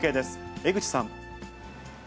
江口さん。